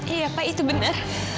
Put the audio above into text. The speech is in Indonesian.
iya pak itu benar